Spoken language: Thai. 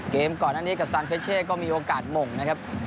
ก่อนอันนี้กับซานเฟชเช่ก็มีโอกาสหม่งนะครับ